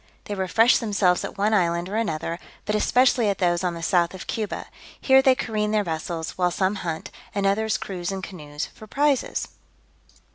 They refresh themselves at one island or another, but especially at those on the south of Cuba; here they careen their vessels, while some hunt, and others cruise in canoes for prizes.